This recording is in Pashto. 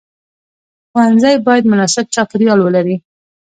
ښوونځی باید مناسب چاپیریال ولري.